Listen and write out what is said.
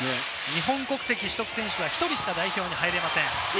日本国籍取得選手は１人しか代表に入れません。